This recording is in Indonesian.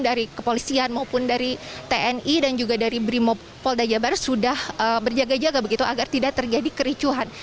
dari kepolisian maupun dari tni dan juga dari brimopolda jabar sudah berjaga jaga begitu agar tidak terjadi kericuhan